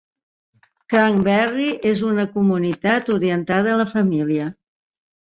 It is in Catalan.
Cranberry és una comunitat orientada a la família.